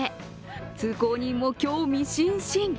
通行人も興味津々。